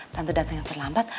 kamu ajak tante